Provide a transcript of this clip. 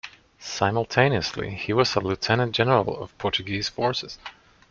Simultaneously, he was a Lieutenant General of Portuguese forces.